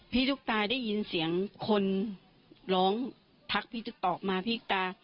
พี่ตุ๊กตาได้ยินเสียงคนร้องทักพี่ตอบมาพี่ตา